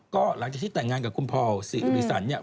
ก็หลังจากที่แต่งงานกับคุณพอสิริสันเนี่ย